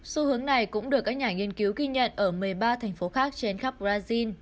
xu hướng này cũng được các nhà nghiên cứu ghi nhận ở một mươi ba thành phố khác trên khắp brazil